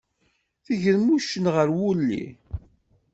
Tegrem uccen gar wulli.